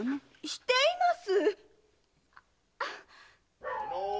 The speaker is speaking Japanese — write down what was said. しています！